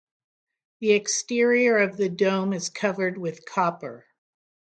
The exterior of the dome is covered with copper.